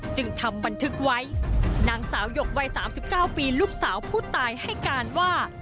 จึงทำบันทึกไว้นางสาวหยกวัย๓๙ปีลูกสาวผู้ตายให้การว่า